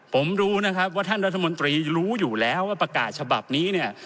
ผมรู้นะครับว่าท่านรัฐมนตรีรู้อยู่แล้วว่าประกาศฉบับนี้เนี่ย